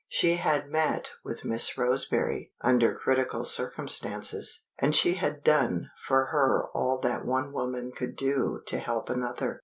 She had met with Miss Roseberry under critical circumstances, and she had done for her all that one woman could do to help another.